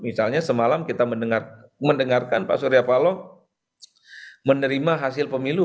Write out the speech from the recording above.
misalnya semalam kita mendengarkan pak surya paloh menerima hasil pemilu